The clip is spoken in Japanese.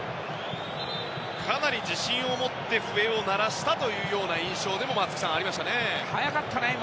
かなり自信を持って笛を鳴らしたというような印象でもありましたね松木さん。